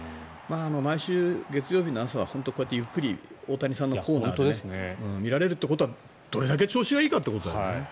毎週月曜日の朝は本当にゆっくり大谷さんのコーナーを見られるってことはどれだけ調子がいいかってことだよね。